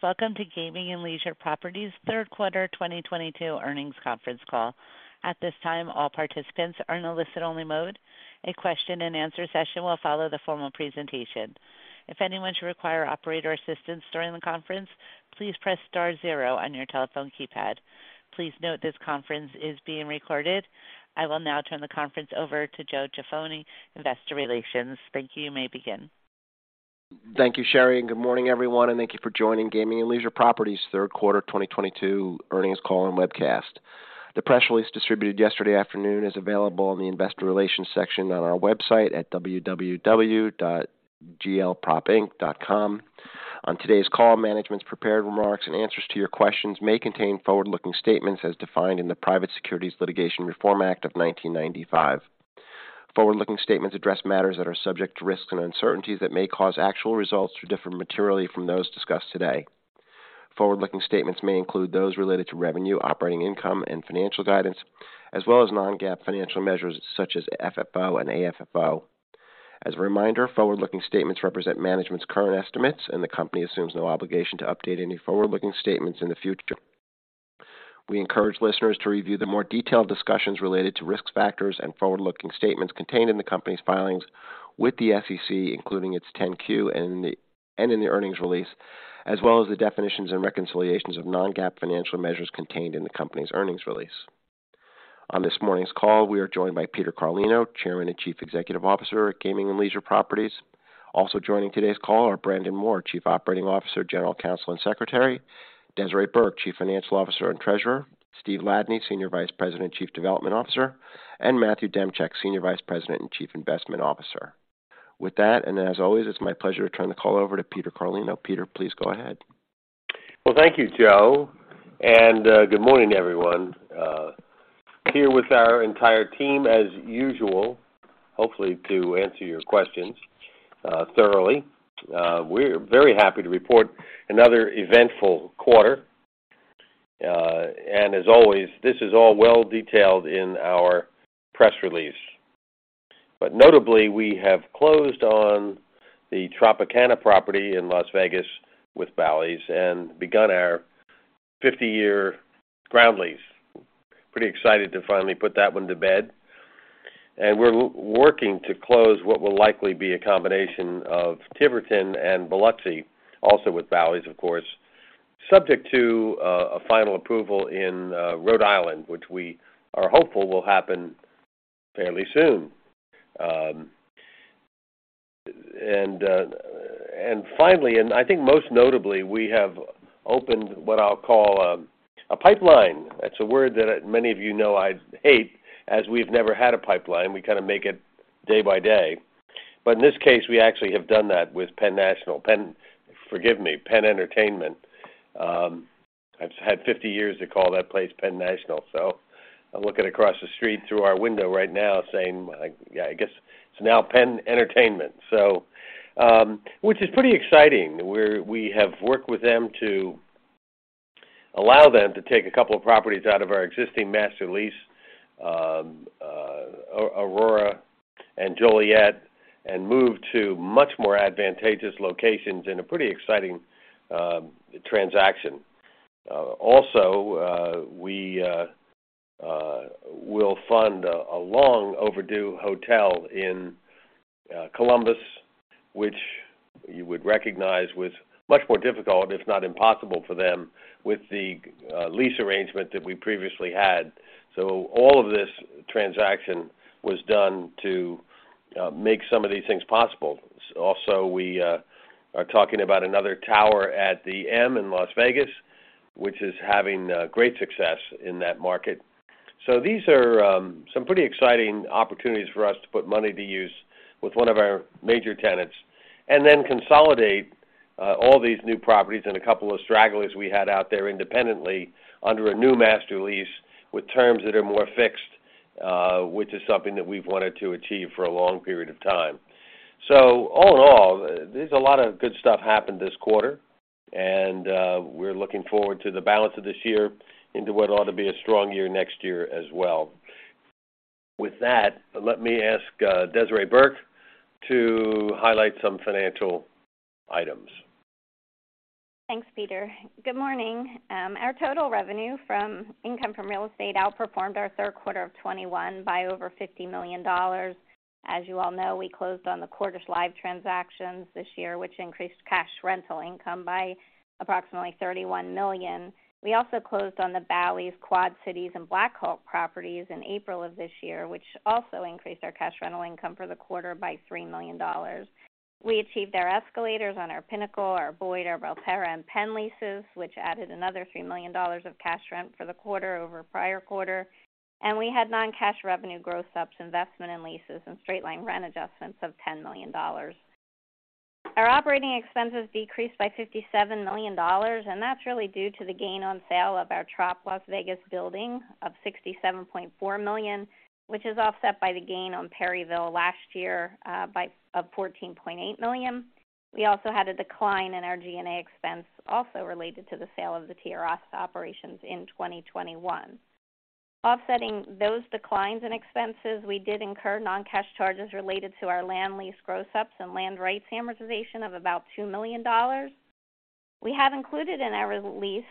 Welcome to Gaming and Leisure Properties Q3 2022 earnings conference call. At this time, all participants are in a listen only mode. A question-and-answer session will follow the formal presentation. If anyone should require operator assistance during the conference, please press star zero on your telephone keypad. Please note this conference is being recorded. I will now turn the conference over to Joseph Jaffoni, Investor Relations. Thank you. You may begin. Thank you, Sherry, and good morning, everyone, and thank you for joining Gaming and Leisure Properties Q3 2022 earnings call and webcast. The press release distributed yesterday afternoon is available in the investor relations section on our website at www.glpropinc.com. On today's call, management's prepared remarks and answers to your questions may contain forward-looking statements as defined in the Private Securities Litigation Reform Act of 1995. Forward-looking statements address matters that are subject to risks and uncertainties that may cause actual results to differ materially from those discussed today. Forward-looking statements may include those related to revenue, operating income, and financial guidance, as well as non-GAAP financial measures such as FFO and AFFO. As a reminder, forward-looking statements represent management's current estimates, and the company assumes no obligation to update any forward-looking statements in the future. We encourage listeners to review the more detailed discussions related to risk factors and forward-looking statements contained in the company's filings with the SEC, including its 10-Q and in the earnings release, as well as the definitions and reconciliations of non-GAAP financial measures contained in the company's earnings release. On this morning's call, we are joined by Peter Carlino, Chairman and Chief Executive Officer at Gaming and Leisure Properties. Also joining today's call are Brandon Moore, Chief Operating Officer, General Counsel, and Secretary, Desiree Burke, Chief Financial Officer and Treasurer, Steve Ladany, Senior Vice President and Chief Development Officer, and Matthew Demchyk, Senior Vice President and Chief Investment Officer. With that, and as always, it's my pleasure to turn the call over to Peter Carlino. Peter, please go ahead. Well, thank you, Joe, and good morning, everyone. Here with our entire team, as usual, hopefully to answer your questions thoroughly. We're very happy to report another eventful quarter. This is all well detailed in our press release. Notably, we have closed on the Tropicana property in Las Vegas with Bally's and begun our 50-year ground lease. Pretty excited to finally put that one to bed. We're working to close what will likely be a combination of Tiverton and Biloxi also with Bally's, of course, subject to a final approval in Rhode Island, which we are hopeful will happen fairly soon. Finally, I think most notably, we have opened what I'll call a pipeline. That's a word that many of you know I hate, as we've never had a pipeline. We kind of make it day by day. In this case, we actually have done that with Penn National. Penn, forgive me, Penn Entertainment. I've had 50 years to call that place Penn National, so I'm looking across the street through our window right now saying, like, yeah, I guess it's now Penn Entertainment. Which is pretty exciting. We have worked with them to allow them to take a couple of properties out of our existing master lease, Aurora and Joliet, and move to much more advantageous locations in a pretty exciting transaction. Also, we will fund a long overdue hotel in Columbus, which you would recognize was much more difficult, if not impossible for them with the lease arrangement that we previously had. All of this transaction was done to make some of these things possible. Also, we are talking about another tower at the M in Las Vegas, which is having great success in that market. These are some pretty exciting opportunities for us to put money to use with one of our major tenants and then consolidate all these new properties and a couple of stragglers we had out there independently under a new master lease with terms that are more fixed, which is something that we've wanted to achieve for a long period of time. All in all, there's a lot of good stuff happened this quarter, and we're looking forward to the balance of this year into what ought to be a strong year next year as well. With that, let me ask, Desiree Burke to highlight some financial items. Thanks, Peter. Good morning. Our total revenue from income from real estate outperformed our Q3 of 2021 by over $50 million. As you all know, we closed on the Cordish transactions this year, which increased cash rental income by approximately $31 million. We also closed on the Bally's Quad Cities and Black Hawk properties in April of this year, which also increased our cash rental income for the quarter by $3 million. We achieved our escalators on our Pinnacle, our Boyd, our Belterra and Penn leases, which added another $3 million of cash rent for the quarter over prior quarter. We had non-cash revenue growth subs, investment in leases, and straight-line rent adjustments of $10 million. Our operating expenses decreased by $57 million, and that's really due to the gain on sale of our Tropicana Las Vegas building of $67.4 million, which is offset by the gain on Perryville last year of $14.8 million. We also had a decline in our G&A expense, also related to the sale of the TRS operations in 2021. Offsetting those declines in expenses, we did incur non-cash charges related to our land lease gross ups and land rights amortization of about $2 million. We have included in our lease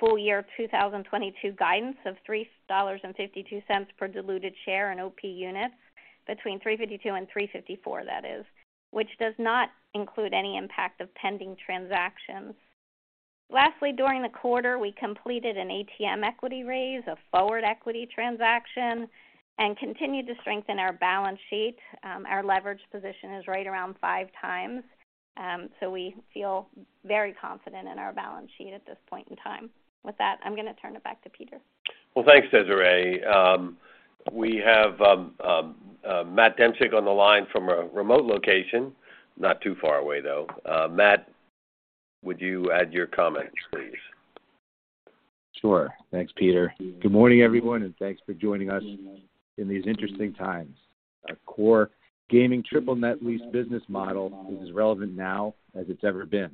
full year 2022 guidance of $3.52 per diluted share in OP units between $3.52 and $3.54, that is, which does not include any impact of pending transactions. Lastly, during the quarter, we completed an ATM equity raise, a forward equity transaction, and continued to strengthen our balance sheet. Our leverage position is right around 5x. We feel very confident in our balance sheet at this point in time. With that, I'm gonna turn it back to Peter. Well, thanks, Desiree. We have Matt Demchyk on the line from a remote location. Not too far away, though. Matt, would you add your comments, please? Sure. Thanks, Peter. Good morning, everyone, and thanks for joining us in these interesting times. Our core gaming triple net lease business model is as relevant now as it's ever been,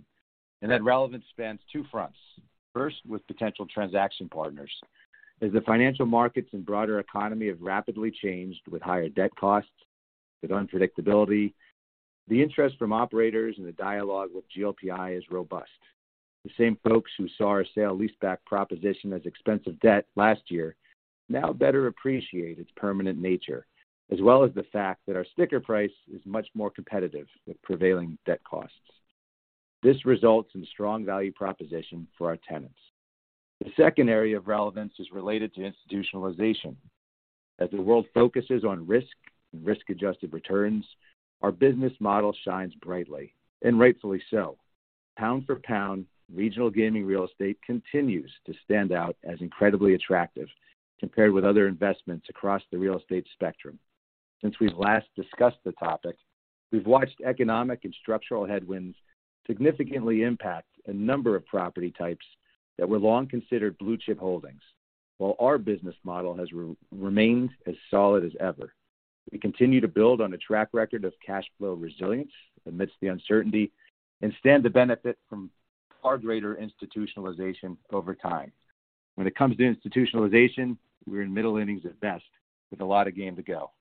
and that relevance spans two fronts. First, with potential transaction partners. As the financial markets and broader economy have rapidly changed with higher debt costs with unpredictability, the interest from operators and the dialogue with GLPI is robust. The same folks who saw our sale-leaseback proposition as expensive debt last year now better appreciate its permanent nature, as well as the fact that our sticker price is much more competitive with prevailing debt costs. This results in strong value proposition for our tenants. The second area of relevance is related to institutionalization. As the world focuses on risk and risk-adjusted returns, our business model shines brightly, and rightfully so. Pound for pound, regional gaming real estate continues to stand out as incredibly attractive compared with other investments across the real estate spectrum. Since we've last discussed the topic, we've watched economic and structural headwinds significantly impact a number of property types that were long considered blue chip holdings. While our business model has remained as solid as ever, we continue to build on a track record of cash flow resilience amidst the uncertainty and stand to benefit from far greater institutionalization over time. When it comes to institutionalization, we're in middle innings at best with a lot of game to go.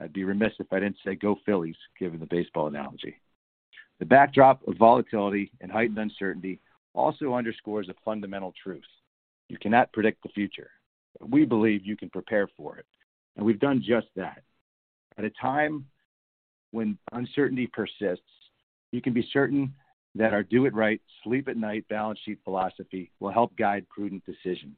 I'd be remiss if I didn't say go Phillies, given the baseball analogy. The backdrop of volatility and heightened uncertainty also underscores a fundamental truth. You cannot predict the future. We believe you can prepare for it, and we've done just that. At a time when uncertainty persists, you can be certain that our do it right, sleep at night balance sheet philosophy will help guide prudent decisions.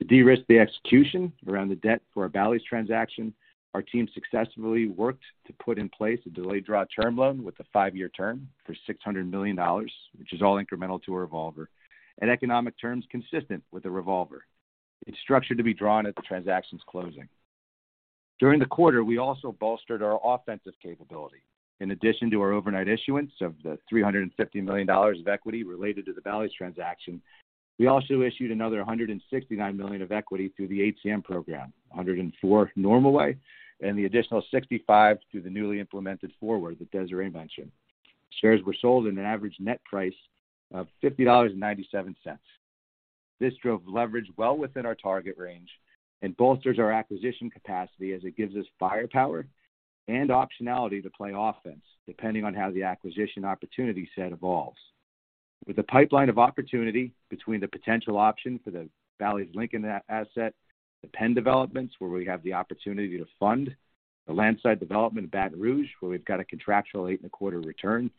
To de-risk the execution around the debt for our Bally's transaction, our team successfully worked to put in place a delayed draw term loan with a five-year term for $600 million, which is all incremental to a revolver and economic terms consistent with the revolver. It's structured to be drawn at the transaction's closing. During the quarter, we also bolstered our offensive capability. In addition to our overnight issuance of the $350 million of equity related to the Bally's transaction, we also issued another $169 million of equity through the ATM program, $104 million normal way, and the additional $65 million through the newly implemented forward that Desiree mentioned. Shares were sold in an average net price of $50.97. This drove leverage well within our target range and bolsters our acquisition capacity as it gives us firepower and optionality to play offense depending on how the acquisition opportunity set evolves. With a pipeline of opportunity between the potential option for the Bally's Lincoln asset, the Penn developments, where we have the opportunity to fund, the landside development in Baton Rouge, where we've got a contractual 8.25% return,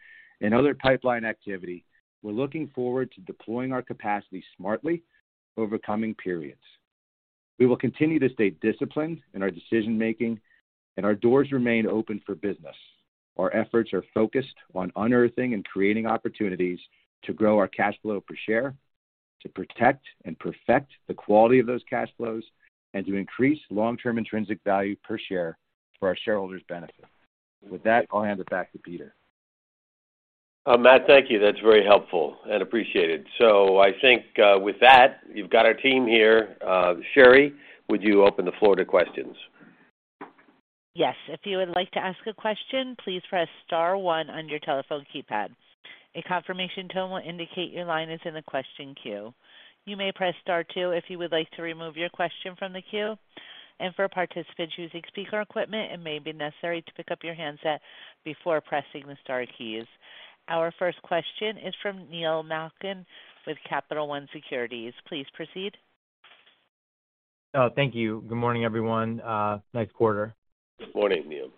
and other pipeline activity, we're looking forward to deploying our capacity smartly over coming periods. We will continue to stay disciplined in our decision-making, and our doors remain open for business. Our efforts are focused on unearthing and creating opportunities to grow our cash flow per share, to protect and perfect the quality of those cash flows, and to increase long-term intrinsic value per share for our shareholders' benefit. With that, I'll hand it back to Peter. Matt, thank you. That's very helpful and appreciated. I think, with that, you've got our team here. Sherry, would you open the floor to questions? Yes. If you would like to ask a question, please press star one on your telephone keypad. A confirmation tone will indicate your line is in the question queue. You may press star two if you would like to remove your question from the queue. For participants using speaker equipment, it may be necessary to pick up your handset before pressing the star keys. Our first question is from Neil Malkin with Capital One Securities. Please proceed. Oh, thank you. Good morning, everyone. Nice quarter. Good morning, Neil.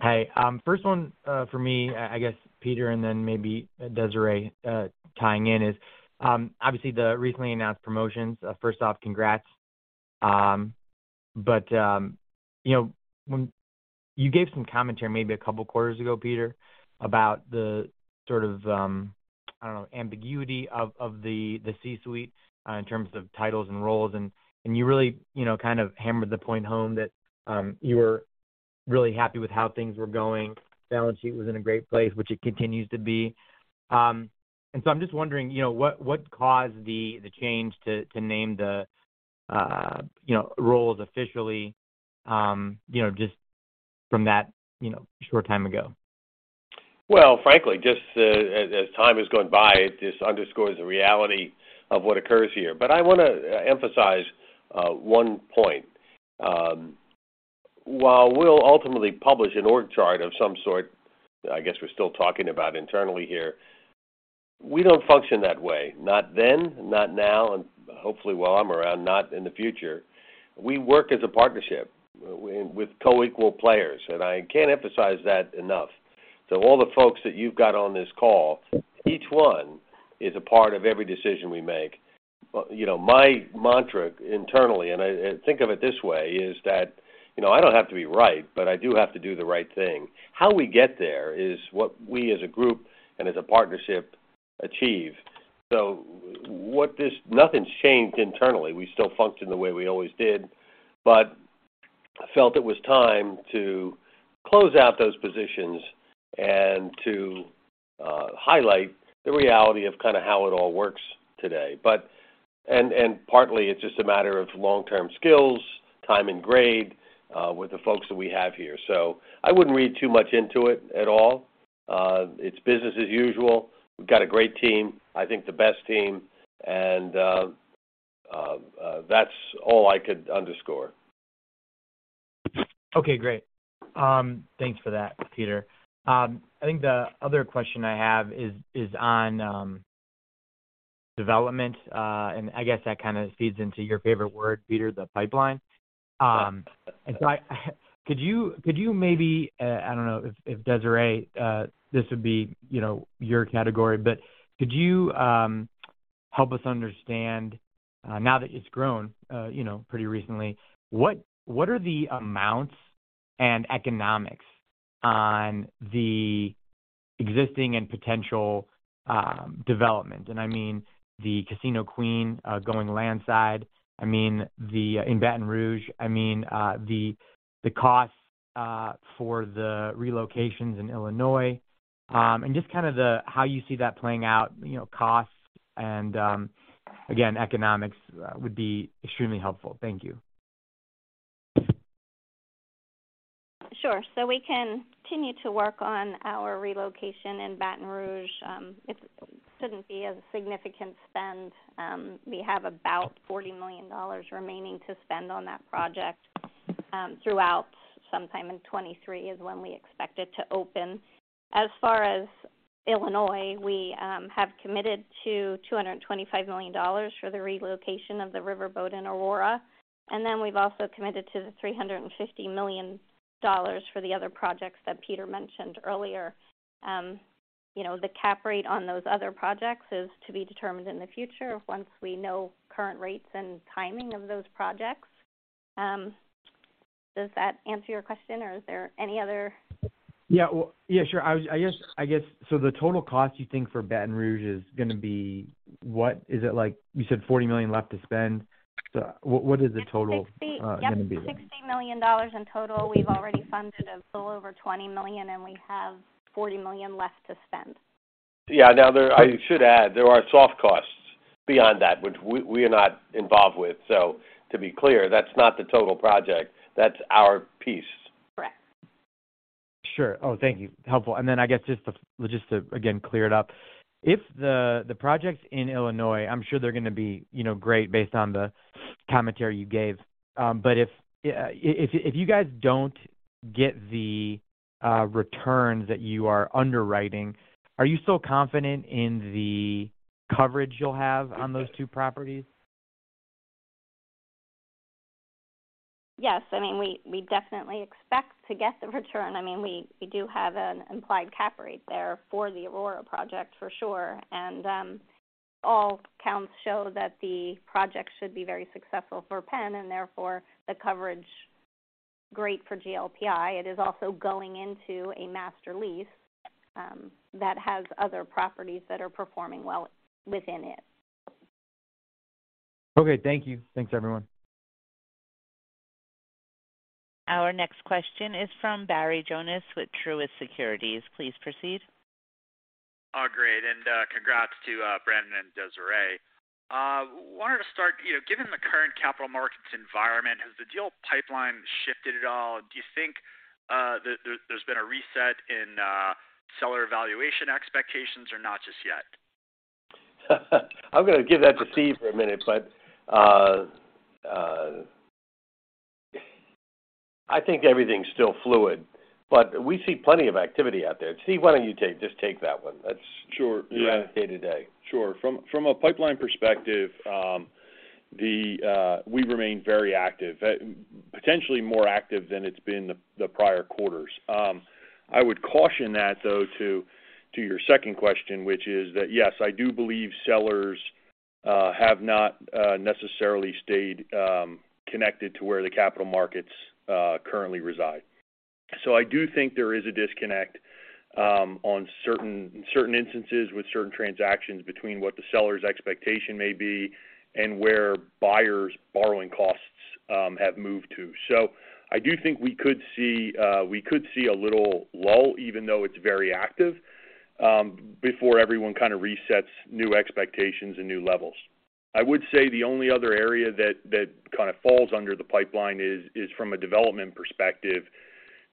Hi. First one for me, I guess Peter and then maybe Desiree, tying in is obviously the recently announced promotions. First off, congrats. You gave some commentary maybe a couple quarters ago, Peter, about the sort of, I don't know, ambiguity of the C-suite in terms of titles and roles, and you really you know kind of hammered the point home that you were really happy with how things were going. Balance sheet was in a great place, which it continues to be. I'm just wondering you know what caused the change to name the roles officially you know just from that short time ago? Well, frankly, just as time has gone by, it just underscores the reality of what occurs here. I wanna emphasize one point. While we'll ultimately publish an org chart of some sort, I guess we're still talking about internally here, we don't function that way. Not then, not now, and hopefully while I'm around, not in the future. We work as a partnership with co-equal players. I can't emphasize that enough. All the folks that you've got on this call, each one is a part of every decision we make. You know, my mantra internally, and I think of it this way, is that, you know, I don't have to be right, but I do have to do the right thing. How we get there is what we as a group and as a partnership achieve. Nothing's changed internally. We still function the way we always did, but felt it was time to close out those positions and to highlight the reality of kinda how it all works today. Partly it's just a matter of long-term skills, time, and grade with the folks that we have here. I wouldn't read too much into it at all. It's business as usual. We've got a great team, I think the best team, and that's all I could underscore. Okay, great. Thanks for that, Peter. I think the other question I have is on development, and I guess that kind of feeds into your favorite word, Peter, the pipeline. And so could you maybe, I don't know if Desiree this would be, you know, your category, but could you help us understand now that it's grown, you know, pretty recently, what are the amounts and economics on the existing and potential development? And I mean the Casino Queen going landside. I mean in Baton Rouge. I mean the cost for the relocations in Illinois. And just kind of how you see that playing out, you know, costs and again, economics would be extremely helpful. Thank you. Sure. We continue to work on our relocation in Baton Rouge. It shouldn't be a significant spend. We have about $40 million remaining to spend on that project, throughout. Sometime in 2023 is when we expect it to open. As far as Illinois, we have committed to $225 million for the relocation of the riverboat in Aurora, and then we've also committed to the $350 million for the other projects that Peter mentioned earlier. You know, the cap rate on those other projects is to be determined in the future once we know current rates and timing of those projects. Does that answer your question or is there any other- Yeah, well, yeah, sure. I guess, so the total cost you think for Baton Rouge is gonna be, what? Is it like you said, $40 million left to spend. So what is the total It's 60 gonna be then? Yep. $60 million in total. We've already funded a little over $20 million, and we have $40 million left to spend. Yeah. Now I should add, there are soft costs beyond that, which we are not involved with. To be clear, that's not the total project. That's our piece. Correct. Sure. Oh, thank you. Helpful. I guess just to again clear it up, if the projects in Illinois, I'm sure they're gonna be, you know, great based on the commentary you gave. But if you guys don't get the returns that you are underwriting, are you still confident in the coverage you'll have on those two properties? Yes. I mean, we definitely expect to get the return. I mean, we do have an implied cap rate there for the Aurora project for sure. All counts show that the project should be very successful for Penn and therefore the coverage great for GLPI. It is also going into a master lease that has other properties that are performing well within it. Okay, thank you. Thanks, everyone. Our next question is from Barry Jonas with Truist Securities. Please proceed. Oh, great. Congrats to Brandon and Desiree. Wanted to start, you know, given the current capital markets environment, has the deal pipeline shifted at all? Do you think there's been a reset in seller valuation expectations or not just yet? I'm gonna give that to Steve for a minute, but I think everything's still fluid, but we see plenty of activity out there. Steve, why don't you just take that one? That's- Sure. Yeah. You're on it day to day. Sure. From a pipeline perspective, we remain very active, potentially more active than it's been the prior quarters. I would caution that though to your second question, which is that yes, I do believe sellers have not necessarily stayed connected to where the capital markets currently reside. I do think there is a disconnect on certain instances with certain transactions between what the seller's expectation may be and where buyers' borrowing costs have moved to. I do think we could see a little lull even though it's very active. Before everyone kind of resets new expectations and new levels. I would say the only other area that kind of falls under the pipeline is from a development perspective.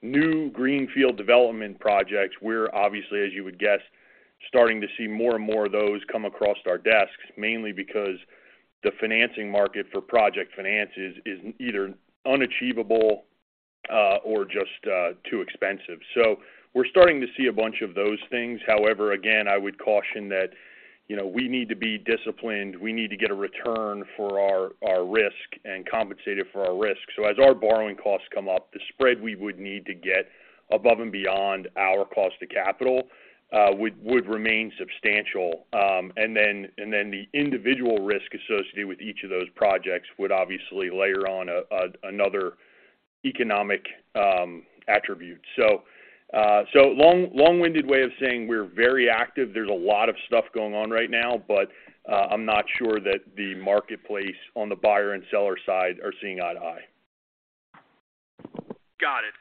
New greenfield development projects, we're obviously, as you would guess, starting to see more and more of those come across our desks, mainly because the financing market for project finances is either unachievable or just too expensive. We're starting to see a bunch of those things. However, again, I would caution that, you know, we need to be disciplined. We need to get a return for our risk and compensated for our risk. As our borrowing costs come up, the spread we would need to get above and beyond our cost of capital would remain substantial. The individual risk associated with each of those projects would obviously layer on another economic attribute. Long-winded way of saying we're very active. There's a lot of stuff going on right now, but I'm not sure that the marketplace on the buyer and seller side are seeing eye to eye. Got it.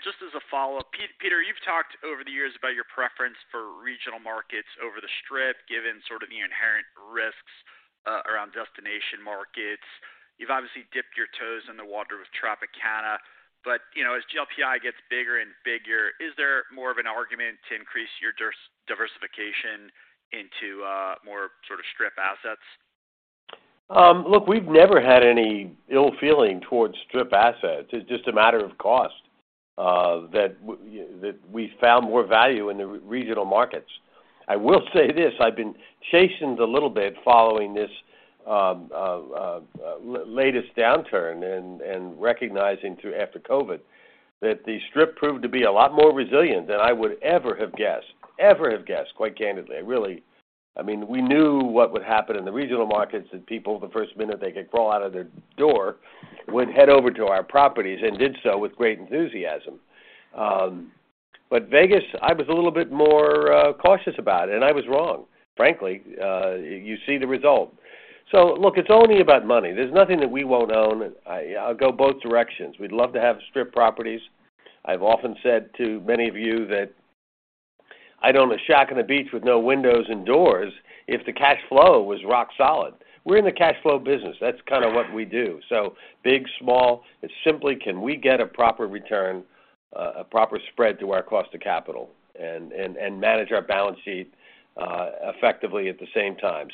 Just as a follow-up, Peter, you've talked over the years about your preference for regional markets over the Strip, given sort of the inherent risks around destination markets. You've obviously dipped your toes in the water with Tropicana. You know, as GLPI gets bigger and bigger, is there more of an argument to increase your diversification into more sort of Strip assets? Look, we've never had any ill feeling towards Strip assets. It's just a matter of cost that we found more value in the regional markets. I will say this, I've been chastened a little bit following this latest downturn and recognizing after COVID that the Strip proved to be a lot more resilient than I would ever have guessed, quite candidly. Really. I mean, we knew what would happen in the regional markets, that people, the first minute they could crawl out of their door, would head over to our properties and did so with great enthusiasm. Vegas, I was a little bit more cautious about, and I was wrong. Frankly, you see the result. Look, it's only about money. There's nothing that we won't own. I'll go both directions. We'd love to have Strip properties. I've often said to many of you that I'd own a shack on the beach with no windows and doors if the cash flow was rock solid. We're in the cash flow business. That's kinda what we do. Big, small, it's simply can we get a proper return, a proper spread to our cost of capital and manage our balance sheet effectively at the same time.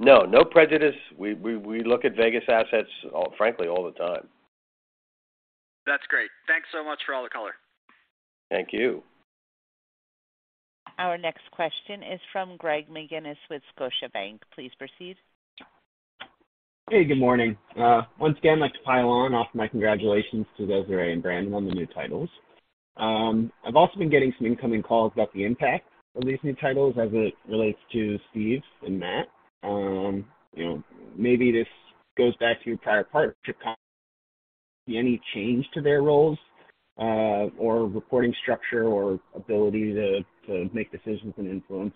No prejudice. We look at Vegas assets, frankly, all the time. That's great. Thanks so much for all the color. Thank you. Our next question is from Greg McGinniss with Scotiabank. Please proceed. Hey, good morning. Once again, like to pile on to my congratulations to those who are brand new on the new titles. I've also been getting some incoming calls about the impact of these new titles as it relates to Steve and Matt. You know, maybe this goes back to your prior partner, Trip.com, any change to their roles or reporting structure or ability to make decisions and influence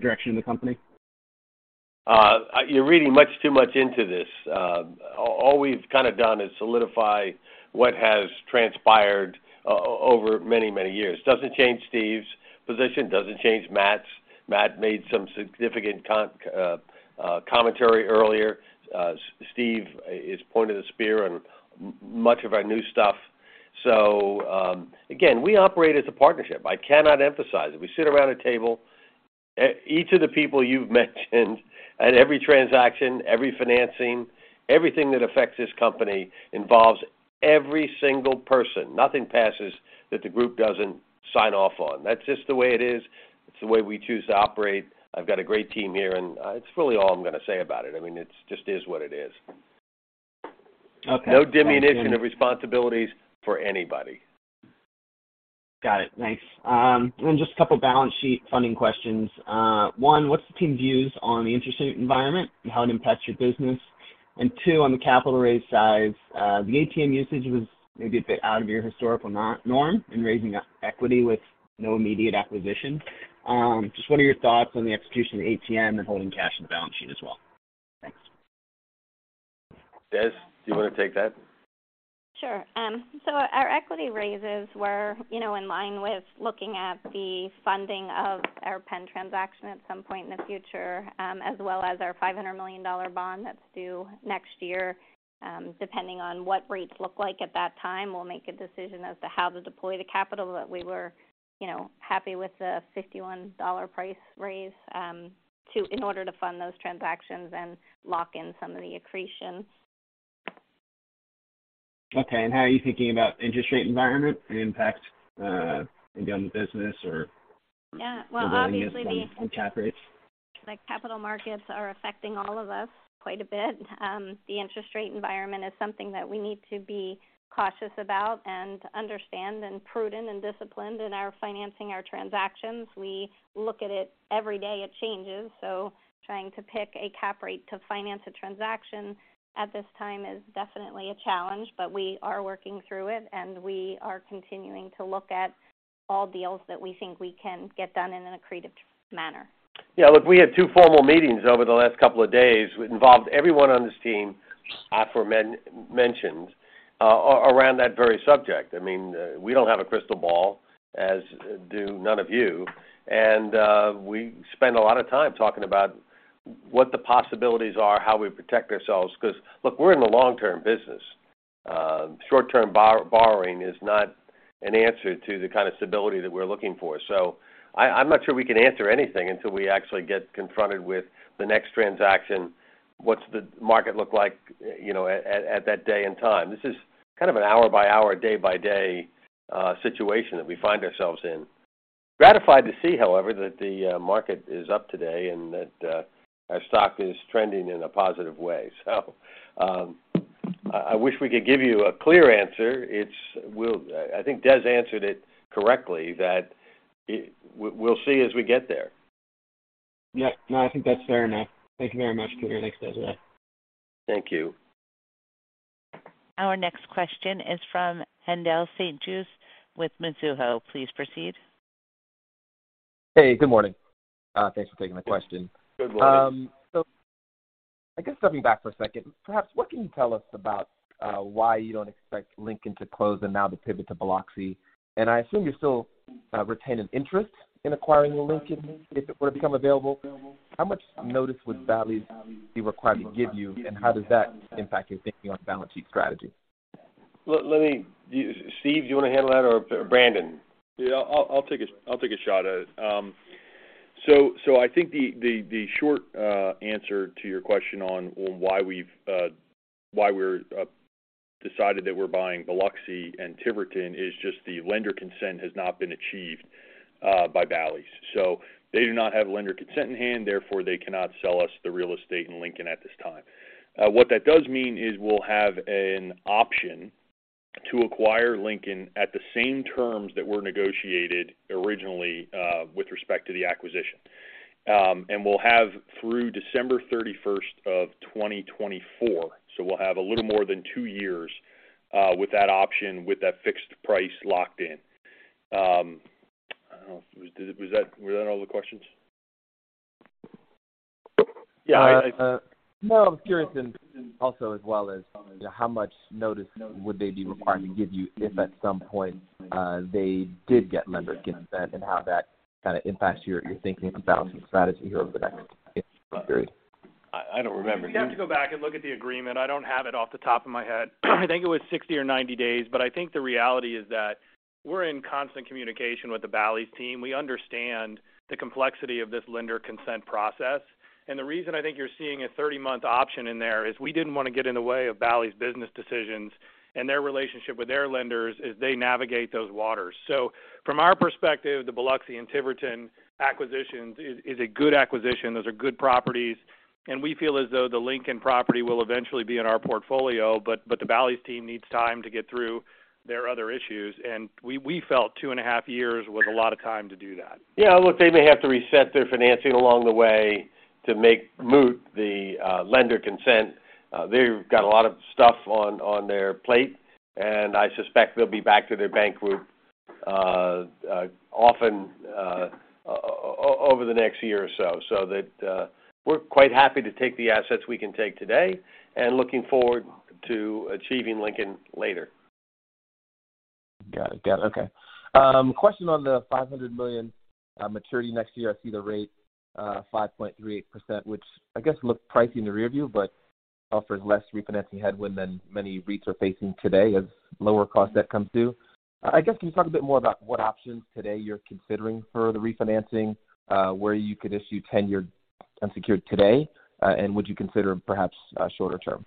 direction of the company? You're reading much too much into this. All we've kinda done is solidify what has transpired over many, many years. Doesn't change Steve's position, doesn't change Matt's. Matt made some significant commentary earlier. Steve is point of the spear on much of our new stuff. Again, we operate as a partnership. I cannot emphasize it. We sit around a table. Each of the people you've mentioned at every transaction, every financing, everything that affects this company involves every single person. Nothing passes that the group doesn't sign off on. That's just the way it is. It's the way we choose to operate. I've got a great team here, and it's really all I'm gonna say about it. I mean, it just is what it is. Okay. No diminution of responsibilities for anybody. Got it. Thanks. Just a couple of balance sheet funding questions. One, what's the team views on the interest rate environment and how it impacts your business? Two, on the capital raise size, the ATM usage was maybe a bit out of your historical norm in raising equity with no immediate acquisition. Just what are your thoughts on the execution of ATM and holding cash in the balance sheet as well? Thanks. Des, do you wanna take that? Sure. Our equity raises were, you know, in line with looking at the funding of our Penn transaction at some point in the future, as well as our $500 million bond that's due next year. Depending on what rates look like at that time, we'll make a decision as to how to deploy the capital, but we were, you know, happy with the $51 price raise in order to fund those transactions and lock in some of the accretion. Okay. How are you thinking about interest rate environment and impact, maybe on the business or- Yeah, well, obviously. On cap rates. The capital markets are affecting all of us quite a bit. The interest rate environment is something that we need to be cautious about and understand and prudent and disciplined in our financing transactions. We look at it every day. It changes, so trying to pick a cap rate to finance a transaction at this time is definitely a challenge, but we are working through it, and we are continuing to look at all deals that we think we can get done in an accretive manner. Yeah. Look, we had two formal meetings over the last couple of days. It involved everyone on this team. As aforementioned, around that very subject. I mean, we don't have a crystal ball, as do none of you. We spend a lot of time talking about what the possibilities are, how we protect ourselves, 'cause look, we're in the long-term business. Short-term borrowing is not an answer to the kind of stability that we're looking for. I'm not sure we can answer anything until we actually get confronted with the next transaction, what's the market look like, you know, at that day and time. This is kind of an hour-by-hour, day-by-day situation that we find ourselves in. Gratified to see, however, that the market is up today and that our stock is trending in a positive way. I wish we could give you a clear answer. I think Des answered it correctly that we'll see as we get there. Yeah. No, I think that's fair enough. Thank you very much. Come here next, Desiree. Thank you. Our next question is from Haendel St. Juste with Mizuho. Please proceed. Hey, good morning. Thanks for taking my question. Good morning. I guess stepping back for a second, perhaps what can you tell us about why you don't expect Lincoln to close and now the pivot to Biloxi? I assume you still retain an interest in acquiring Lincoln if it were to become available. How much notice would Bally's be required to give you, and how does that impact your thinking on balance sheet strategy? Steve, do you wanna handle that or Brandon? Yeah, I'll take a shot at it. So I think the short answer to your question on why we've decided that we're buying Biloxi and Tiverton is just the lender consent has not been achieved by Bally's. They do not have lender consent in hand, therefore, they cannot sell us the real estate in Lincoln at this time. What that does mean is we'll have an option to acquire Lincoln at the same terms that were negotiated originally with respect to the acquisition. We'll have through December 31st, 2024, so we'll have a little more than 2 years with that option, with that fixed price locked in. I don't know, was that all the questions? Yeah, I No. I'm curious and also as well is, you know, how much notice would they be required to give you if at some point, they did get lender consent and how that kinda impacts your thinking of balancing strategy over the next period? I don't remember. You'd have to go back and look at the agreement. I don't have it off the top of my head. I think it was 60 or 90 days, but I think the reality is that we're in constant communication with the Bally's team. We understand the complexity of this lender consent process. The reason I think you're seeing a 30-month option in there is we didn't wanna get in the way of Bally's business decisions and their relationship with their lenders as they navigate those waters. From our perspective, the Biloxi and Tiverton acquisitions is a good acquisition. Those are good properties, and we feel as though the Lincoln property will eventually be in our portfolio, but the Bally's team needs time to get through their other issues. We felt 2.5 years was a lot of time to do that. Yeah. Look, they may have to reset their financing along the way to make moot the lender consent. They've got a lot of stuff on their plate, and I suspect they'll be back to their bank group often over the next year or so that we're quite happy to take the assets we can take today and looking forward to achieving Lincoln later. Got it. Okay. Question on the $500 million maturity next year. I see the rate, 5.38%, which I guess looked pricey in the rear view, but offers less refinancing headwind than many REITs are facing today as lower cost debt comes due. I guess can you talk a bit more about what options today you're considering for the refinancing, where you could issue 10-year unsecured today, and would you consider perhaps a shorter term?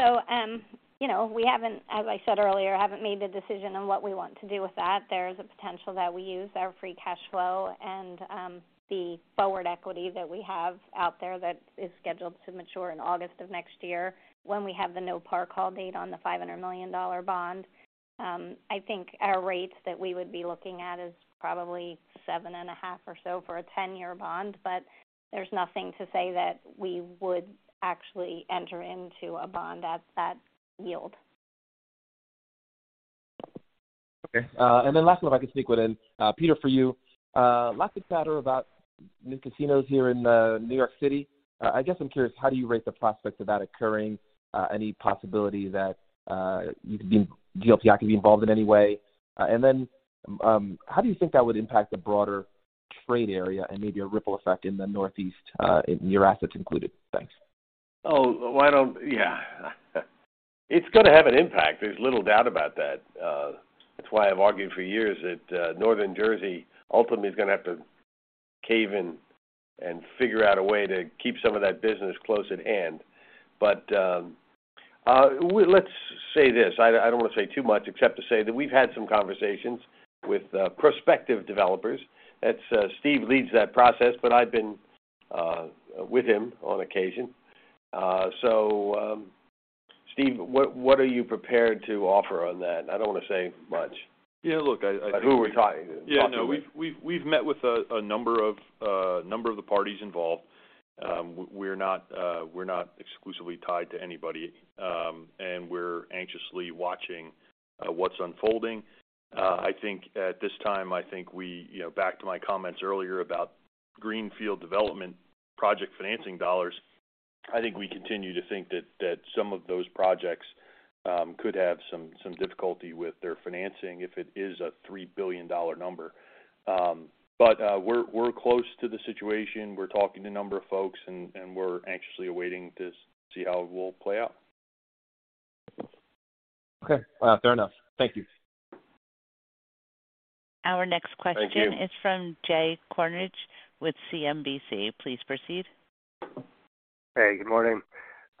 Thanks. Right. You know, we, as I said earlier, haven't made the decision on what we want to do with that. There is a potential that we use our free cash flow and the forward equity that we have out there that is scheduled to mature in August of next year when we have the no par call date on the $500 million bond. I think our rates that we would be looking at is probably 7.5% or so for a 10-year bond, but there's nothing to say that we would actually enter into a bond at that yield. Okay. Last one, if I could sneak one in. Peter, for you, lots of chatter about new casinos here in New York City. I guess I'm curious, how do you rate the prospects of that occurring? Any possibility that GLPI could be involved in any way? How do you think that would impact the broader trade area and maybe a ripple effect in the Northeast, your assets included? Thanks. Yeah. It's gonna have an impact. There's little doubt about that. That's why I've argued for years that Northern Jersey ultimately is gonna have to cave in and figure out a way to keep some of that business close at hand. Let's say this, I don't wanna say too much except to say that we've had some conversations with prospective developers. That's Steve leads that process, but I've been with him on occasion. Steve, what are you prepared to offer on that? I don't wanna say much. Yeah, look, I. Like who we're talking with. Yeah, no, we've met with a number of the parties involved. We're not exclusively tied to anybody, and we're anxiously watching what's unfolding. I think at this time you know, back to my comments earlier about greenfield development project financing dollars, I think we continue to think that some of those projects could have some difficulty with their financing if it is a $3 billion number. We're close to the situation. We're talking to a number of folks, and we're anxiously awaiting to see how it will play out. Okay. Fair enough. Thank you. Our next question. Thank you. This is from Jay Kornreich with SMBC Nikko Securities America, Inc. Please proceed. Hey, good morning.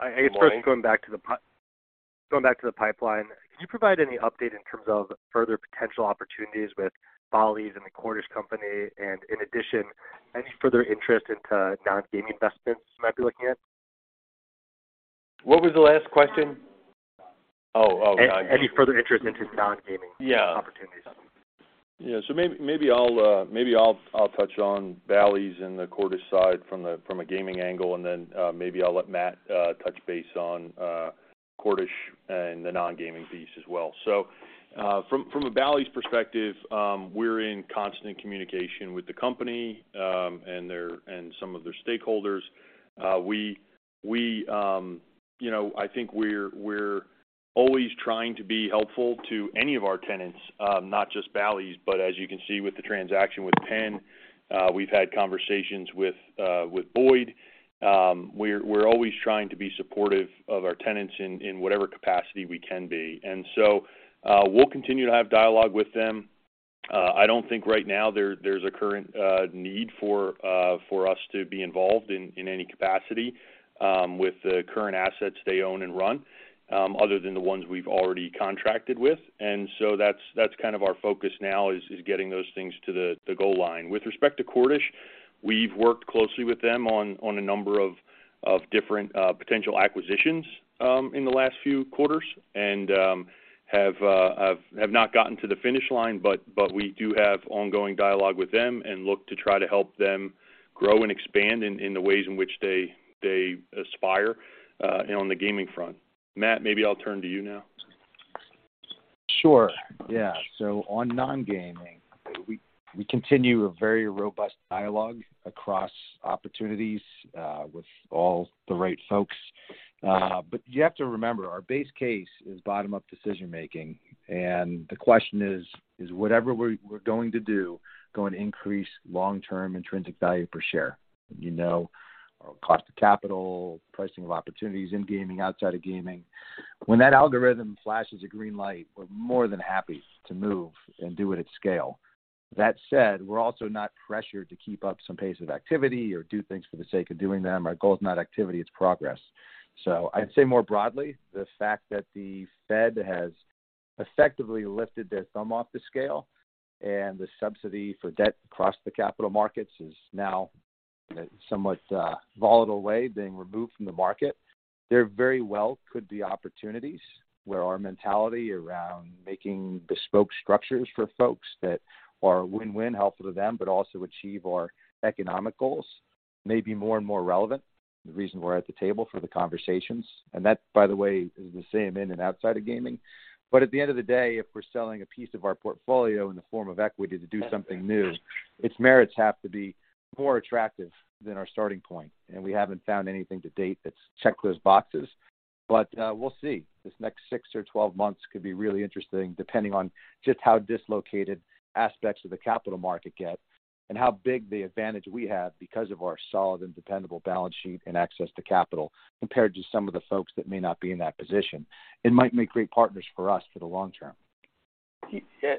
Good morning. I guess first going back to the pipeline, could you provide any update in terms of further potential opportunities with Bally's and the Cordish Companies? In addition, any further interest into non-gaming investments you might be looking at? What was the last question? Oh, got you. Any further interest in non-gaming. Yeah. opportunities. Maybe I'll touch on Bally's and the Cordish side from a gaming angle, and then maybe I'll let Matt touch base on Cordish and the non-gaming piece as well. From a Bally's perspective, we're in constant communication with the company and some of their stakeholders. We, you know, I think we're always trying to be helpful to any of our tenants, not just Bally's. As you can see with the transaction with Penn, we've had conversations with Boyd. We're always trying to be supportive of our tenants in whatever capacity we can be. We'll continue to have dialogue with them. I don't think right now there's a current need for us to be involved in any capacity with the current assets they own and run, other than the ones we've already contracted with. That's kind of our focus now is getting those things to the goal line. With respect to Cordish, we've worked closely with them on a number of different potential acquisitions in the last few quarters and have not gotten to the finish line, but we do have ongoing dialogue with them and look to try to help them grow and expand in the ways in which they aspire and on the gaming front. Matt, maybe I'll turn to you now. Sure. Yeah. On non-gaming, we continue a very robust dialogue across opportunities with all the right folks. You have to remember, our base case is bottom-up decision-making, and the question is, whatever we're going to do, going to increase long-term intrinsic value per share? You know, our cost of capital, pricing of opportunities in gaming, outside of gaming. When that algorithm flashes a green light, we're more than happy to move and do it at scale. That said, we're also not pressured to keep up some pace of activity or do things for the sake of doing them. Our goal is not activity, it's progress. I'd say more broadly, the fact that the Fed has effectively lifted their thumb off the scale and the subsidy for debt across the capital markets is now in a somewhat volatile way being removed from the market. There very well could be opportunities where our mentality around making bespoke structures for folks that are win-win, helpful to them, but also achieve our economic goals may be more and more relevant, the reason we're at the table for the conversations. That, by the way, is the same in and outside of gaming. At the end of the day, if we're selling a piece of our portfolio in the form of equity to do something new, its merits have to be more attractive than our starting point. We haven't found anything to date that's checked those boxes, but we'll see. This next six or 12 months could be really interesting, depending on just how dislocated aspects of the capital market get and how big the advantage we have because of our solid and dependable balance sheet and access to capital compared to some of the folks that may not be in that position and might make great partners for us for the long term.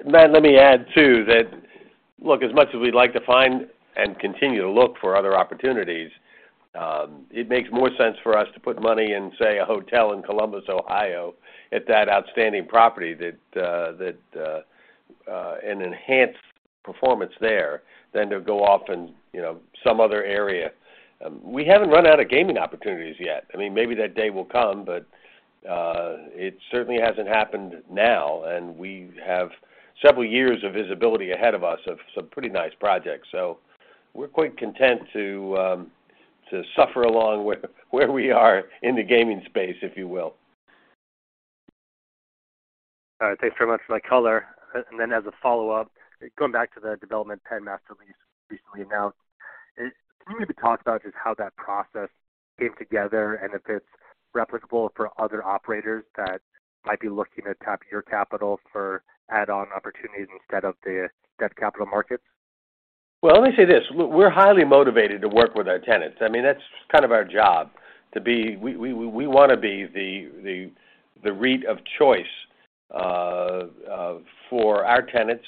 Matt, let me add too that, look, as much as we'd like to find and continue to look for other opportunities, it makes more sense for us to put money in, say, a hotel in Columbus, Ohio at that outstanding property that an enhanced performance there than to go off in, you know, some other area. We haven't run out of gaming opportunities yet. I mean, maybe that day will come, but it certainly hasn't happened now, and we have several years of visibility ahead of us of some pretty nice projects. We're quite content to suffer along with where we are in the gaming space, if you will. All right. Thanks very much for that color. And then as a follow-up, going back to the development Penn master lease recently announced, can you maybe talk about just how that process came together and if it's replicable for other operators that might be looking to tap your capital for add-on opportunities instead of the debt capital markets? Well, let me say this. We're highly motivated to work with our tenants. I mean, that's kind of our job. We wanna be the REIT of choice for our tenants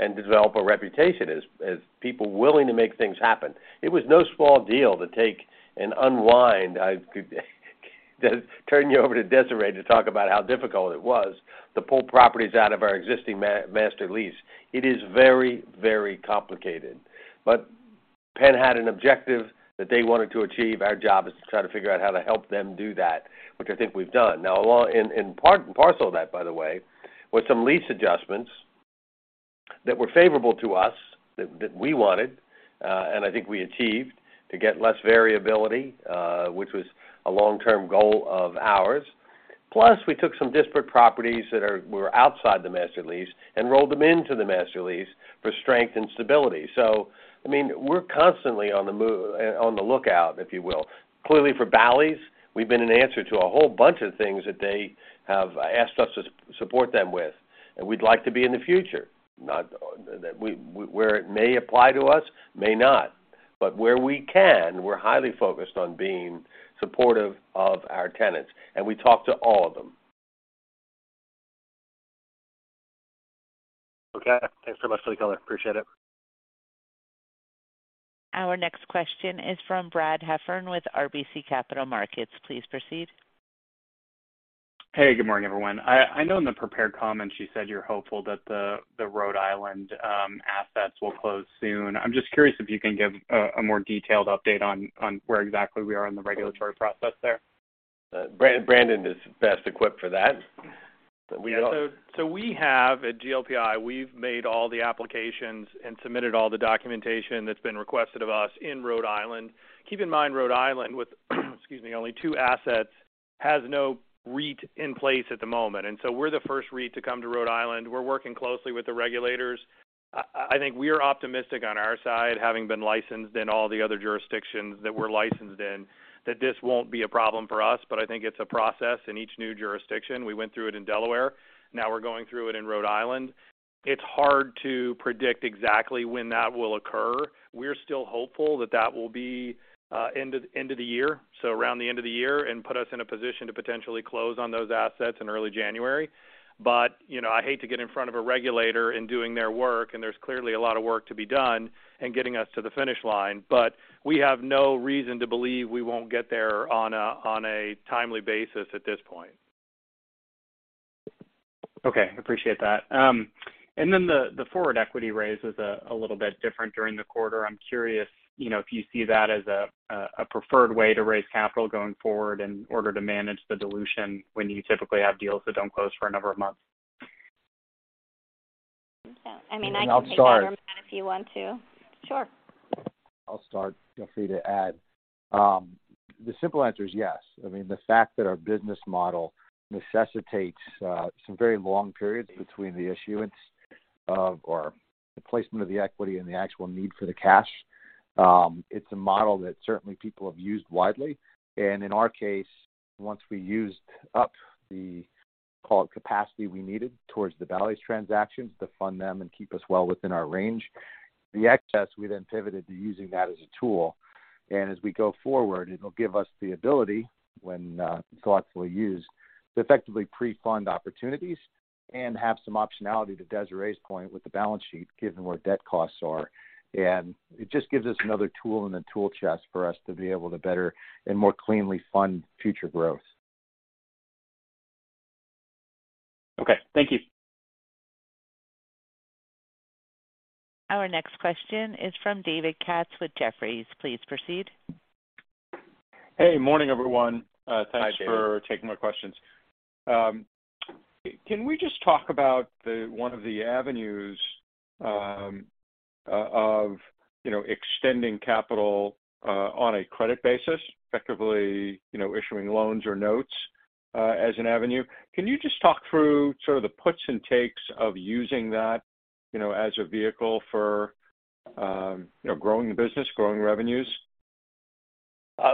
and develop a reputation as people willing to make things happen. It was no small deal to take and unwind to turn you over to Desiree to talk about how difficult it was to pull properties out of our existing master lease. It is very, very complicated. Penn had an objective that they wanted to achieve. Our job is to try to figure out how to help them do that, which I think we've done. Now, in part and parcel of that, by the way, with some lease adjustments. That were favorable to us that we wanted, and I think we achieved to get less variability, which was a long-term goal of ours. Plus, we took some disparate properties that were outside the master lease and rolled them into the master lease for strength and stability. I mean, we're constantly on the move, on the lookout, if you will. Clearly for Bally's, we've been an answer to a whole bunch of things that they have asked us to support them with, and we'd like to be in the future. Not where it may apply to us, may not, but where we can, we're highly focused on being supportive of our tenants, and we talk to all of them. Okay. Thanks so much for the color. Appreciate it. Our next question is from Brad Heffern with RBC Capital Markets. Please proceed. Hey, good morning, everyone. I know in the prepared comments you said you're hopeful that the Rhode Island assets will close soon. I'm just curious if you can give a more detailed update on where exactly we are in the regulatory process there? Brandon is best equipped for that. Yeah. We have at GLPI, we've made all the applications and submitted all the documentation that's been requested of us in Rhode Island. Keep in mind, Rhode Island with, excuse me, only two assets, has no REIT in place at the moment. We're the first REIT to come to Rhode Island. We're working closely with the regulators. I think we are optimistic on our side, having been licensed in all the other jurisdictions that we're licensed in, that this won't be a problem for us. I think it's a process in each new jurisdiction. We went through it in Delaware. Now we're going through it in Rhode Island. It's hard to predict exactly when that will occur. We're still hopeful that will be end of the year, so around the end of the year, and put us in a position to potentially close on those assets in early January. You know, I hate to get in front of a regulator in doing their work, and there's clearly a lot of work to be done in getting us to the finish line. We have no reason to believe we won't get there on a timely basis at this point. Okay. Appreciate that. The forward equity raise is a little bit different during the quarter. I'm curious, you know, if you see that as a preferred way to raise capital going forward in order to manage the dilution when you typically have deals that don't close for a number of months. I'll start. I mean, I can take that one, Matt, if you want to. Sure. I'll start. Feel free to add. The simple answer is yes. I mean, the fact that our business model necessitates some very long periods between the issuance of or the placement of the equity and the actual need for the cash, it's a model that certainly people have used widely. In our case, once we used up the, call it, capacity we needed towards the Bally's transactions to fund them and keep us well within our range, the excess we then pivoted to using that as a tool. As we go forward, it'll give us the ability, when thoughtfully used, to effectively pre-fund opportunities and have some optionality to Desiree's point with the balance sheet, given where debt costs are. It just gives us another tool in the tool chest for us to be able to better and more cleanly fund future growth. Okay. Thank you. Our next question is from David Katz with Jefferies. Please proceed. Hey. Morning, everyone. Hi, David. Thanks for taking my questions. Can we just talk about one of the avenues of you know, extending capital on a credit basis, effectively, you know, issuing loans or notes as an avenue. Can you just talk through sort of the puts and takes of using that you know, as a vehicle for you know, growing the business, growing revenues?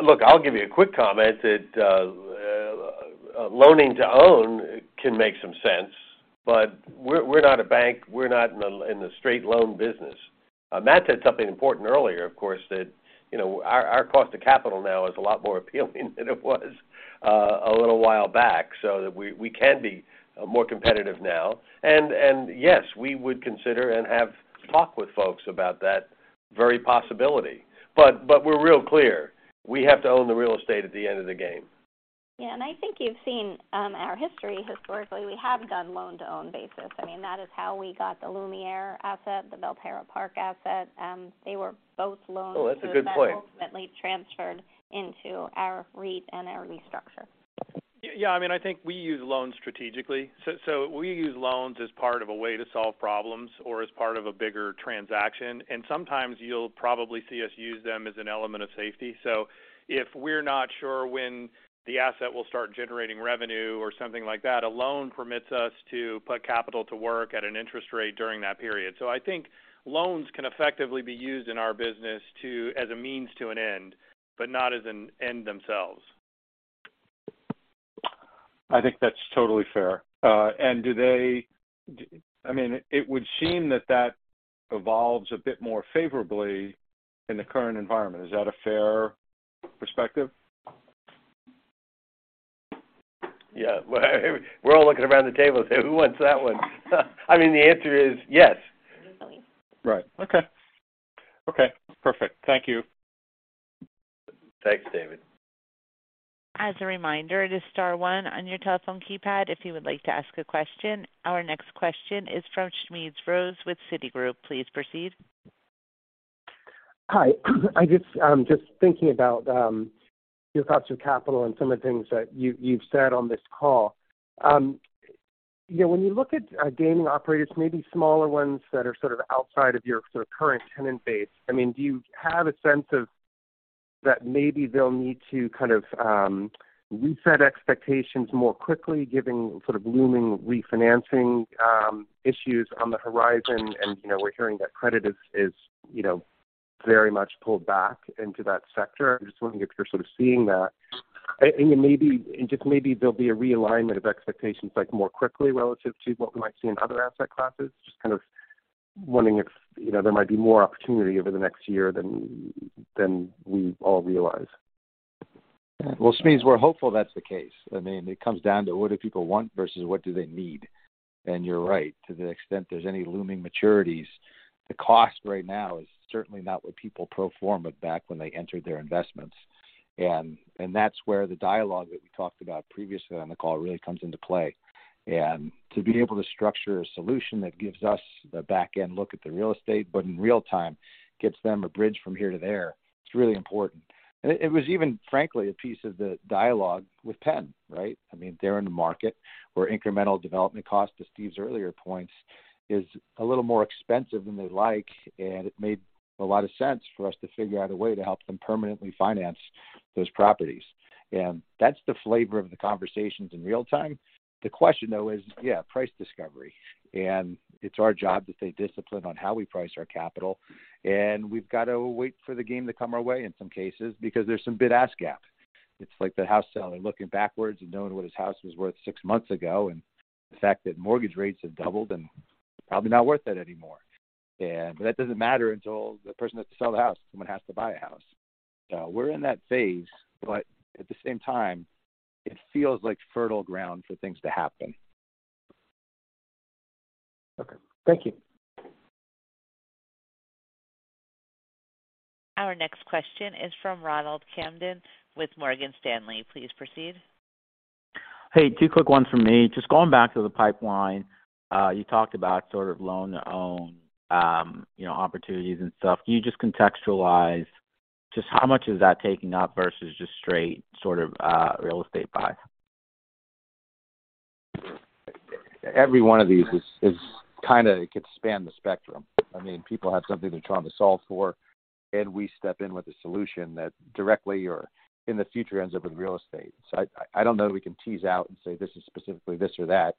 Look, I'll give you a quick comment that loan-to-own can make some sense. We're not a bank. We're not in the straight loan business. Matt said something important earlier, of course, that, you know, our cost to capital now is a lot more appealing than it was a little while back, so that we can be more competitive now. Yes, we would consider and have talked with folks about that very possibility. We're real clear. We have to own the real estate at the end of the game. Yeah. I think you've seen our history. Historically, we have done loan-to-own basis. I mean, that is how we got the Lumiere asset, the Belterra Park asset. They were both loans. Oh, that's a good point. that ultimately transferred into our REIT and our lease structure. Yeah. I mean, I think we use loans strategically. We use loans as part of a way to solve problems or as part of a bigger transaction, and sometimes you'll probably see us use them as an element of safety. If we're not sure when the asset will start generating revenue or something like that, a loan permits us to put capital to work at an interest rate during that period. I think loans can effectively be used in our business to as a means to an end, but not as an end themselves. I think that's totally fair. I mean, it would seem that that evolves a bit more favorably in the current environment. Is that a fair perspective? Yeah. Well, we're all looking around the table to say, "Who wants that one?" I mean, the answer is yes. Definitely. Right. Okay. Okay, perfect. Thank you. Thanks, David. As a reminder, it is star one on your telephone keypad if you would like to ask a question. Our next question is from Smedes Rose with Citi. Please proceed. Hi. I'm just thinking about your thoughts on capital and some of the things that you've said on this call. You know, when you look at gaming operators, maybe smaller ones that are sort of outside of your sort of current tenant base, I mean, do you have a sense of that maybe they'll need to kind of reset expectations more quickly given sort of looming refinancing issues on the horizon? You know, we're hearing that credit is very much pulled back in that sector. I'm just wondering if you're sort of seeing that. Then maybe there'll be a realignment of expectations, like more quickly relative to what we might see in other asset classes. Just kind of wondering if, you know, there might be more opportunity over the next year than we all realize. Well, Smedes, we're hopeful that's the case. I mean, it comes down to what do people want versus what do they need. You're right, to the extent there's any looming maturities, the cost right now is certainly not what people pro forma back when they entered their investments. That's where the dialogue that we talked about previously on the call really comes into play. To be able to structure a solution that gives us the back-end look at the real estate, but in real time gives them a bridge from here to there, it's really important. It was even, frankly, a piece of the dialogue with Penn, right? I mean, they're in the market where incremental development cost to Steve's earlier points is a little more expensive than they'd like, and it made a lot of sense for us to figure out a way to help them permanently finance those properties. That's the flavor of the conversations in real time. The question, though, is, yeah, price discovery, and it's our job to stay disciplined on how we price our capital. We've got to wait for the game to come our way in some cases, because there's some bid-ask gap. It's like the house seller looking backwards and knowing what his house was worth six months ago, and the fact that mortgage rates have doubled and probably not worth it anymore. That doesn't matter until the person has to sell the house, someone has to buy a house. We're in that phase, but at the same time, it feels like fertile ground for things to happen. Okay. Thank you. Our next question is from Ronald Kamdem with Morgan Stanley. Please proceed. Hey, 2 quick ones from me. Just going back to the pipeline, you talked about sort of loan-to-own, you know, opportunities and stuff. Can you just contextualize just how much is that taking up versus just straight sort of real estate buy? Every one of these is kinda can span the spectrum. I mean, people have something they're trying to solve for, and we step in with a solution that directly or in the future ends up in real estate. I don't know that we can tease out and say, this is specifically this or that.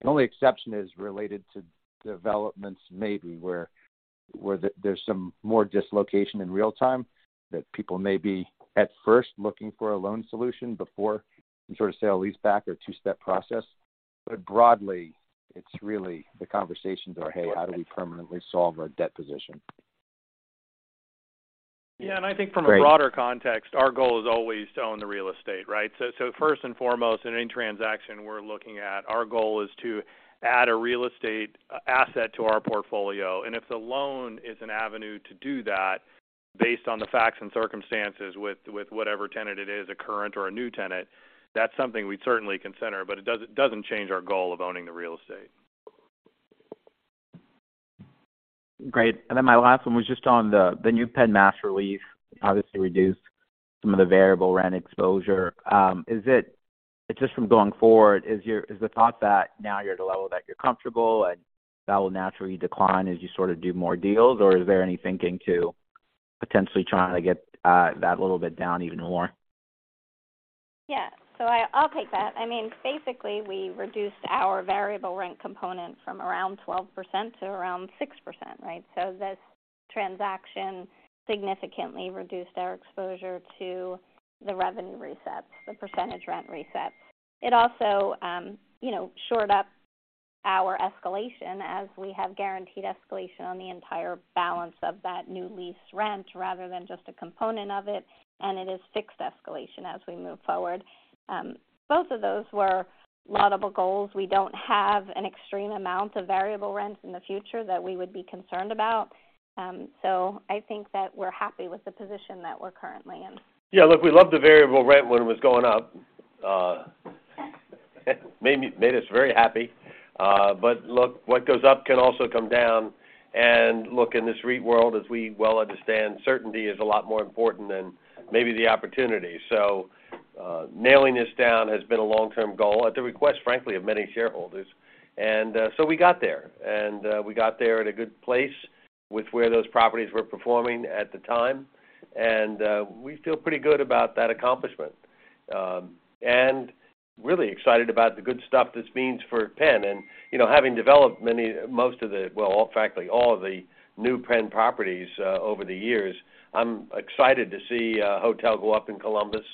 The only exception is related to developments maybe where there's some more dislocation in real time that people may be at first looking for a loan solution before some sort of sale-leaseback or two-step process. Broadly, it's really the conversations are, "Hey, how do we permanently solve our debt position? Yeah, I think from a broader context, our goal is always to own the real estate, right? First and foremost, in any transaction we're looking at, our goal is to add a real estate asset to our portfolio. If the loan is an avenue to do that based on the facts and circumstances with whatever tenant it is, a current or a new tenant, that's something we'd certainly consider, but it doesn't change our goal of owning the real estate. Great. My last one was just on the new Penn master lease obviously reduced some of the variable rent exposure. Is it just from going forward, is the thought that now you're at a level that you're comfortable and that will naturally decline as you sort of do more deals, or is there any thinking to potentially trying to get that little bit down even more? Yeah. I'll take that. I mean, basically, we reduced our variable rent component from around 12% to around 6%, right? This transaction significantly reduced our exposure to the revenue resets, the percentage rent resets. It also, you know, shored up our escalation as we have guaranteed escalation on the entire balance of that new lease rent rather than just a component of it, and it is fixed escalation as we move forward. Both of those were laudable goals. We don't have an extreme amount of variable rents in the future that we would be concerned about. I think that we're happy with the position that we're currently in. Yeah. Look, we love the variable rent when it was going up. Made us very happy. Look, what goes up can also come down. Look, in this REIT world, as we well understand, certainty is a lot more important than maybe the opportunity. Nailing this down has been a long-term goal at the request, frankly, of many shareholders. We got there at a good place with where those properties were performing at the time. We feel pretty good about that accomplishment. Really excited about the good stuff this means for Penn. You know, having developed many, most of the, well, frankly, all of the new Penn properties over the years, I'm excited to see a hotel go up in Columbus,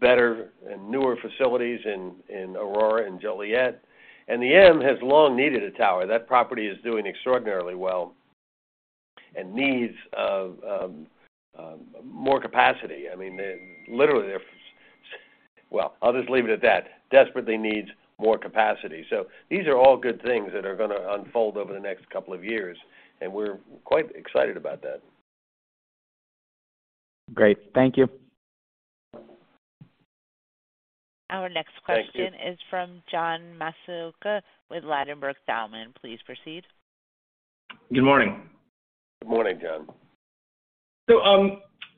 better and newer facilities in Aurora and Joliet. The M has long needed a tower. That property is doing extraordinarily well and desperately needs more capacity. These are all good things that are gonna unfold over the next couple of years, and we're quite excited about that. Great. Thank you. Our next question is from John Massocca with Ladenburg Thalmann. Please proceed. Good morning. Good morning, John.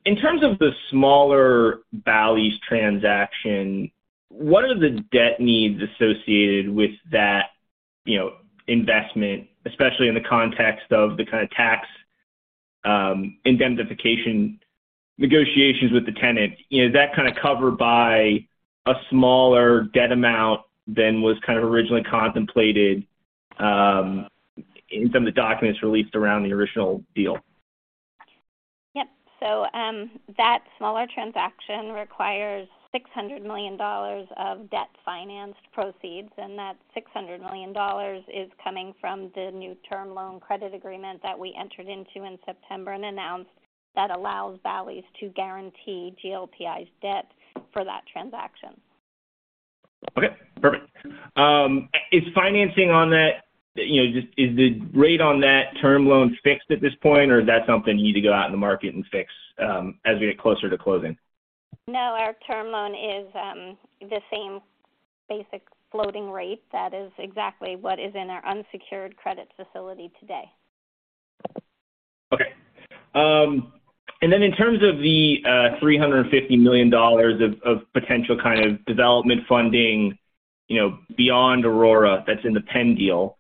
in terms of the smaller Bally's transaction, what are the debt needs associated with that, you know, investment, especially in the context of the kinda tax indemnification negotiations with the tenant? You know, is that kind of covered by a smaller debt amount than was kind of originally contemplated, in some of the documents released around the original deal? Yep. That smaller transaction requires $600 million of debt-financed proceeds, and that $600 million is coming from the new term loan credit agreement that we entered into in September and announced that allows Bally's to guarantee GLPI's debt for that transaction. Okay, perfect. Is financing on that you know, just is the rate on that term loan fixed at this point, or is that something you need to go out in the market and fix as we get closer to closing? No, our term loan is the same basic floating rate. That is exactly what is in our unsecured credit facility today. Okay. In terms of the $350 million of potential kind of development funding, you know, beyond Aurora, that's in the Penn deal,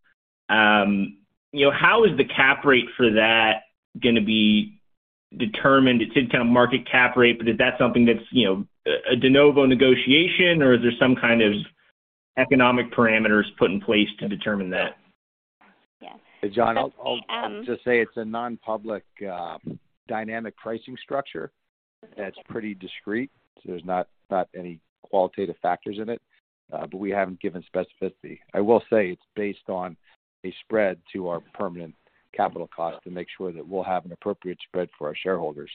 you know, how is the cap rate for that gonna be determined? It said kind of market cap rate, but is that something that's, you know, a de novo negotiation, or is there some kind of economic parameters put in place to determine that? Yes. Hey, John, I'll just say it's a non-public dynamic pricing structure that's pretty discreet, so there's not any qualitative factors in it, but we haven't given specificity. I will say it's based on a spread to our permanent capital cost to make sure that we'll have an appropriate spread for our shareholders.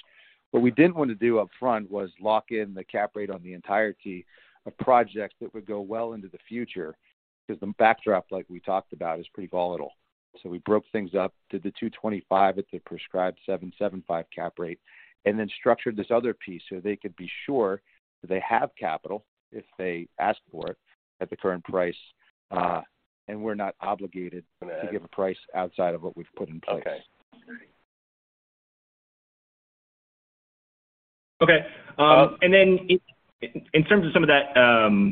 What we didn't wanna do upfront was lock in the cap rate on the entirety of projects that would go well into the future because the backdrop, like we talked about, is pretty volatile. We broke things up, did the $225 at the prescribed 7.75 cap rate, and then structured this other piece so they could be sure that they have capital if they ask for it at the current price, and we're not obligated to give a price outside of what we've put in place. In terms of some of that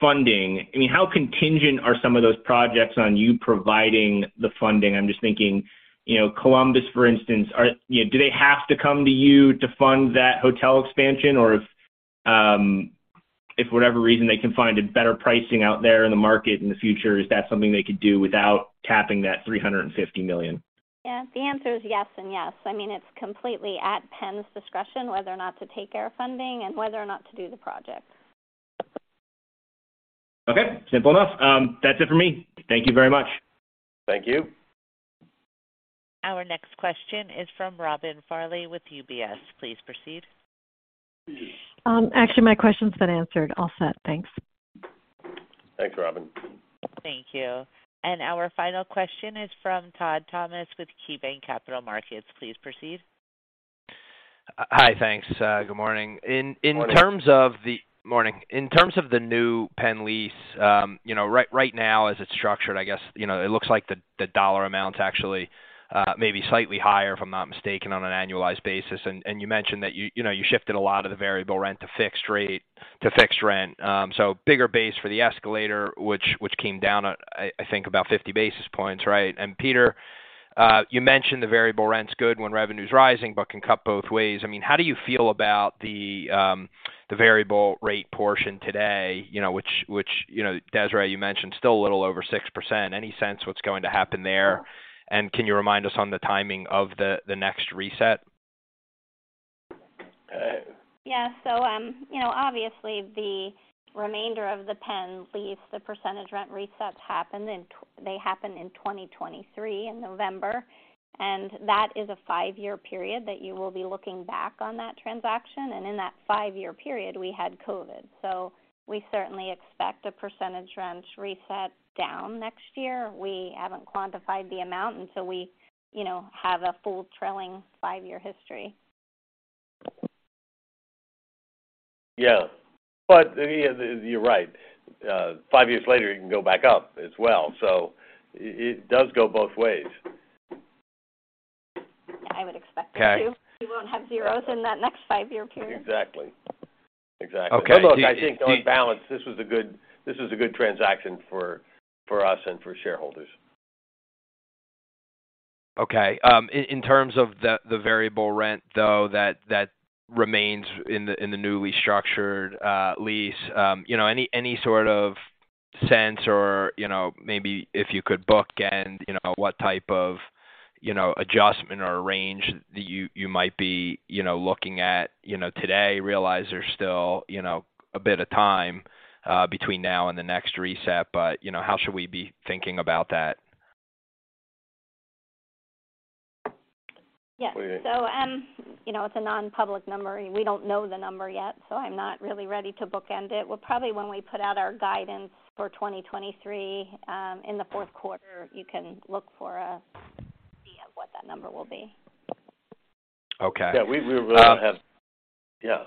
funding, I mean, how contingent are some of those projects on you providing the funding? I'm just thinking, you know, Columbus, for instance. You know, do they have to come to you to fund that hotel expansion? Or if for whatever reason they can find a better pricing out there in the market in the future, is that something they could do without tapping that $350 million? Yeah. The answer is yes and yes. I mean, it's completely at Penn's discretion whether or not to take our funding and whether or not to do the project. Okay, simple enough. That's it for me. Thank you very much. Thank you. Our next question is from Robin Farley with UBS. Please proceed. Actually, my question's been answered. All set. Thanks. Thanks, Robin. Thank you. Our final question is from Todd Thomas with KeyBanc Capital Markets. Please proceed. Hi. Thanks. Good morning. Morning. In terms of the new Penn lease, right now as it's structured, I guess, it looks like the dollar amount's actually maybe slightly higher, if I'm not mistaken, on an annualized basis. You mentioned that you shifted a lot of the variable rent to fixed rent. So bigger base for the escalator which came down at, I think about 50 basis points, right? Peter, you mentioned the variable rent's good when revenue's rising but can cut both ways. I mean, how do you feel about the variable rate portion today, you know, which you know, Desiree, you mentioned still a little over 6%. Any sense what's going to happen there? Can you remind us on the timing of the next reset? Uh- Yeah. You know, obviously the remainder of the Penn lease, the percentage rent resets happen in 2023 in November, and that is a five-year period that you will be looking back on that transaction. In that five-year period, we had COVID. We certainly expect a percentage rent reset down next year. We haven't quantified the amount until we, you know, have a full trailing five-year history. Yeah. Yeah, you're right. Five years later, it can go back up as well. It does go both ways. Yeah, I would expect it to. Okay. We won't have zeros in that next five-year period. Exactly. Exactly. Okay. Look, I think on balance, this was a good transaction for us and for shareholders. Okay. In terms of the variable rent, though, that remains in the newly structured lease, you know, any sort of sense or, you know, maybe if you could bookend, you know, what type of, you know, adjustment or range that you might be, you know, looking at, you know, today? Realize there's still, you know, a bit of time between now and the next reset, but, you know, how should we be thinking about that? Yeah. We- You know, it's a non-public number. We don't know the number yet, I'm not really ready to bookend it. Well, probably when we put out our guidance for 2023, in the Q4, you can look for a sense of what that number will be. Okay. Yeah,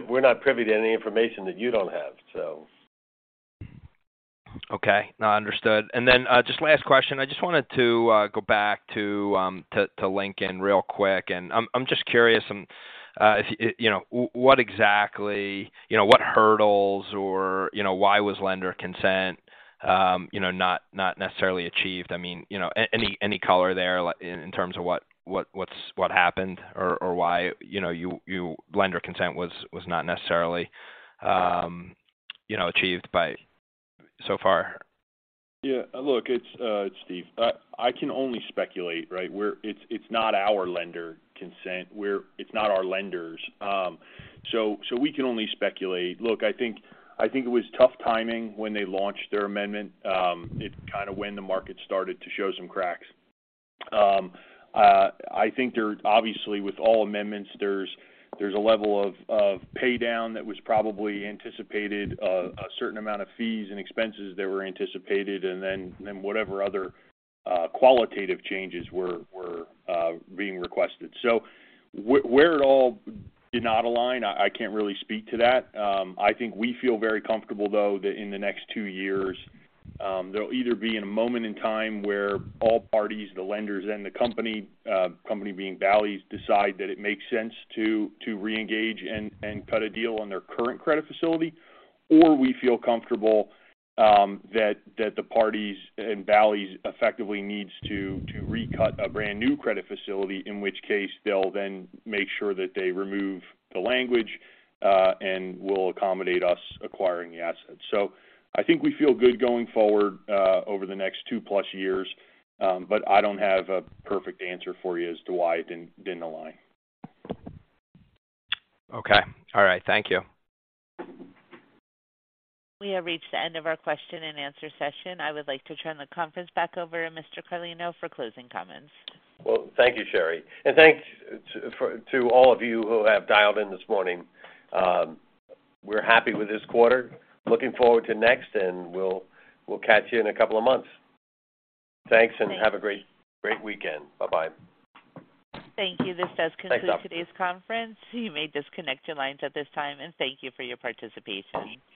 we're not privy to any information that you don't have, so. Okay. No, understood. Just last question. I just wanted to go back to Lincoln real quick. I'm just curious if you know what exactly you know what hurdles or you know why was lender consent you know not necessarily achieved? I mean you know any color there in terms of what happened or why you know lender consent was not necessarily you know achieved thus far. Yeah. Look, it's Steve. I can only speculate, right? It's not our lender consent. It's not our lenders. We can only speculate. Look, I think it was tough timing when they launched their amendment, it kind of when the market started to show some cracks. I think obviously, with all amendments, there's a level of pay down that was probably anticipated, a certain amount of fees and expenses that were anticipated, and then whatever other qualitative changes were being requested. Where it all did not align, I can't really speak to that. I think we feel very comfortable, though, that in the next two years, they'll either be in a moment in time where all parties, the lenders and the company being Bally's, decide that it makes sense to reengage and cut a deal on their current credit facility, or we feel comfortable that the parties and Bally's effectively needs to recut a brand new credit facility, in which case they'll then make sure that they remove the language and will accommodate us acquiring the assets. I think we feel good going forward over the next two-plus years. I don't have a perfect answer for you as to why it didn't align. Okay. All right. Thank you. We have reached the end of our question and answer session. I would like to turn the conference back over to Mr. Carlino for closing comments. Well, thank you, Sherry. Thanks to all of you who have dialed in this morning. We're happy with this quarter. Looking forward to next, and we'll catch you in a couple of months. Thanks, and have a great weekend. Bye-bye. Thank you. This does conclude. Thanks, all. Today's conference. You may disconnect your lines at this time, and thank you for your participation.